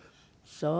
そう。